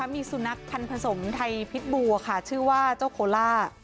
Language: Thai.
มีสุนัขพันธ์ผสมไทยพิษบูค่ะชื่อว่าเจ้าโคล่า